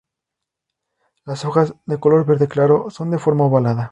Las hojas, de color verde claro, son de forma ovalada.